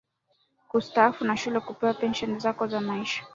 kustaafu na shule kupewa pension zako za maisha